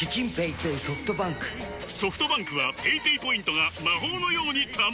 ソフトバンクはペイペイポイントが魔法のように貯まる！